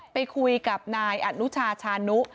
ไปคุยกับนายอนุชาชานุ